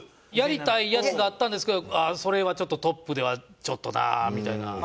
やりたいやつがあったんですけどそれはちょっとトップではちょっとなみたいな。